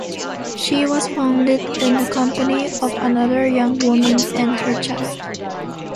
She was found in the company of another young woman and her child.